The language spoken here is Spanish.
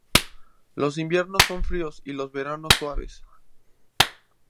Los inviernos son fríos, y los veranos suaves.